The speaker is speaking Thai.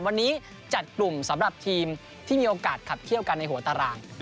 วันนี้จัดกลุ่มสำหรับทีมที่มีโอกาสขับเขี้ยวกันในหัวตาราง